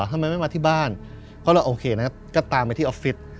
ทำไมไม่มาที่บ้านเพราะเราโอเคนะครับก็ตามไปที่ออฟฟิศ